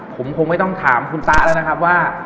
ผมคงไม่ต้องถามคุณตะแล้วนะครับว่า